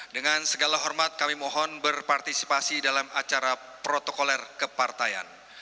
dengan segala hormat kami mohon berpartisipasi dalam acara protokoler kepartaian